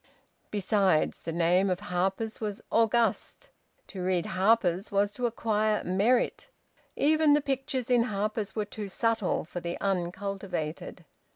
Besides, the name of "Harper's" was august. To read "Harper's" was to acquire merit; even the pictures in "Harper's" were too subtle for the uncultivated.